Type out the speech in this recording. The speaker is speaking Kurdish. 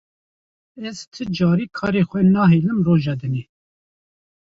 Ez ti carî karê xwe nahêlim roja dinê.